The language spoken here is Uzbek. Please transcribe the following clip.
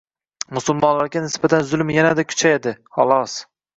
Musulmonlarga nisbatan zulm yanada kuchayadi, xolos